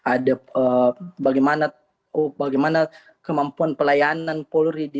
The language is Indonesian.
ada bagaimana kemampuan pelayanan polri